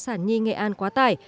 sản nhi nghệ an quá tải